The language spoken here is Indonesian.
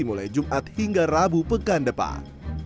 mulai jumat hingga rabu pekan depan